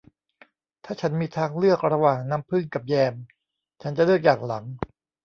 ถ้าฉันมีทางเลือกระหว่างน้ำผึ้งกับแยมฉันจะเลือกอย่างหลัง